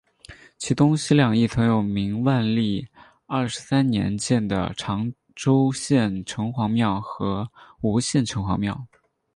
其东西两翼曾有明万历二十三年建的长洲县城隍庙和吴县城隍庙。